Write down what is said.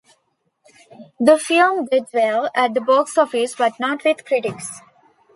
The film did well at the box office but not with critics.